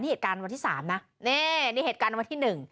นี่เหตุการณ์วันที่๓นะ